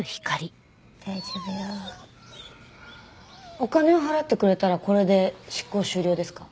お金を払ってくれたらこれで執行終了ですか？